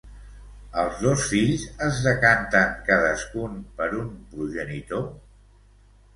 Els dos fills es decanten cadascun per un progenitor?